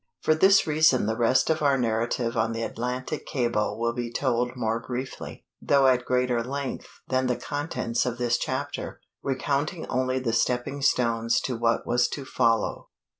For this reason the rest of our narrative on the Atlantic cable will be told more briefly though at greater length than the contents of this chapter, recounting only the stepping stones to what was to follow.